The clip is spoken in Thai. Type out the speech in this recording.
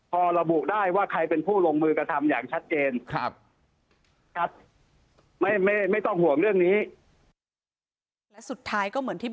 พอระบุได้ว่าใครเป็นผู้ลงมือกระทำอย่างชัดเจนครับครับ